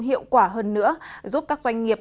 hiệu quả hơn nữa giúp các doanh nghiệp